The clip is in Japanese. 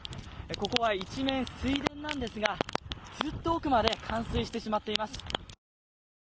ここは一面水田なんですがずっと奥まで冠水してしまっています。